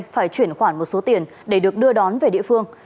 phải chuyển khoản một số tiền để được đưa đón về địa phương